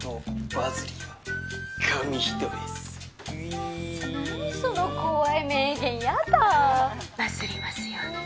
バズりますように。